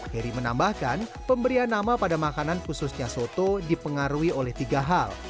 heri menambahkan pemberian nama pada makanan khususnya soto dipengaruhi oleh tiga hal